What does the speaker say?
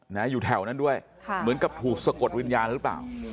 อยู่แถวนั้นด้วยค่ะเหมือนกับถูกสะกดวิญญาณหรือเปล่า